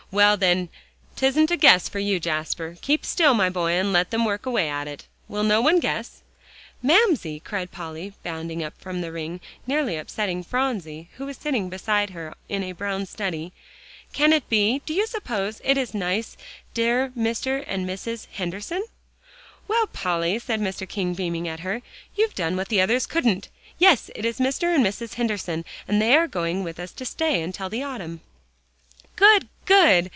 "Well, then, 'tisn't a guess for you, Jasper. Keep still, my boy, and let them work away at it. Will no one guess?" "Mamsie," cried Polly, bounding up from the ring, nearly upsetting Phronsie, who was sitting beside her in a brown study, "can it be do you suppose it is nice, dear Mr. and Mrs. Henderson?" "Well, Polly," said Mr. King, beaming at her, "you've done what the others couldn't. Yes, it is Mr. and Mrs. Henderson, and they are going with us to stay until the autumn." "Good, good!"